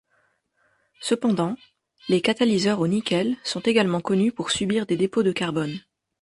Cependant, les catalyseurs au nickel sont également connus pour subir des dépôts de carbone.